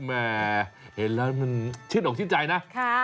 แม่เห็นแล้วมันชื่นอกชื่นใจนะ